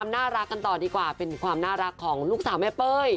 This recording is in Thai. น่ารักกันต่อดีกว่าเป็นความน่ารักของลูกสาวแม่เป้ย